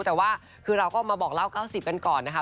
แต่ว่าคือเราก็มาบอกเล่า๙๐กันก่อนนะคะ